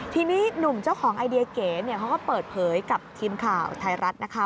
ทีนี้หนุ่มเจ้าของไอเดียเก๋เขาก็เปิดเผยกับทีมข่าวไทยรัฐนะคะ